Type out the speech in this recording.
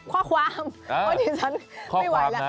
ข้อความว่าดิฉันไม่ไหวแล้ว